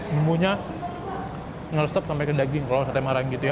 bumbunya meresap sampai ke daging kalau sate marangi itu ya